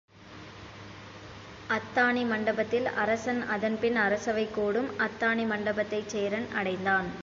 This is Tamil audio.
அத்தாணி மண்டபத்தில் அரசன் அதன்பின் அரசவை கூடும் அத்தாணி மண்டபத்தைச் சேரன் அடைந்தான்.